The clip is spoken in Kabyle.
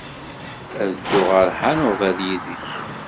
Ad dduɣ ɣer Hanover yid-k.